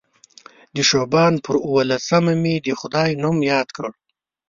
د شعبان پر اووه لسمه مې د خدای نوم یاد کړ.